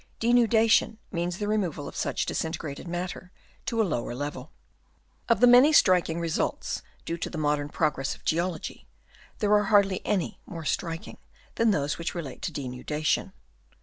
Denudation means the removal of such disintegrated matter to a lower level. Of the many striking results due to the modern progress of geology there are hardly any more striking than those which relate to denudation.